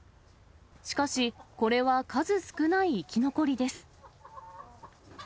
しかし、これは数少ない生き残りです。